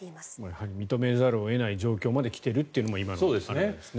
やはり認めざるを得ない状況まで来ているというのが今の状況ですね。